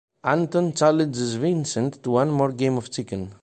Anton challenges Vincent to one more game of chicken.